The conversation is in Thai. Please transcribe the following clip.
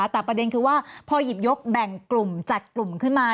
แต่ประเด็นคือว่าพอหยิบยกแบ่งกลุ่มจัดกลุ่มขึ้นมา